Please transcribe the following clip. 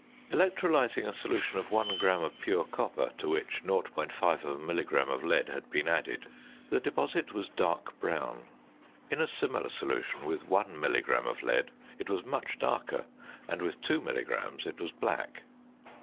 Electrolysing a solution of one gram of pure copper, to which 0.5 milligram of lead had been added, the deposit was dark brown; in a similar solution with 1 milligram of lead it was much darker, and with 2 milligrams it was black.